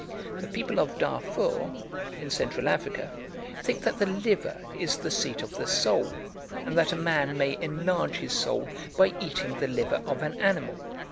The people of Darfur, in Central Africa, think that the liver is the seat of the soul, and that a man may enlarge his soul by eating the liver of an animal.